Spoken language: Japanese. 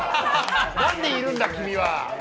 何でいるんだ、君は。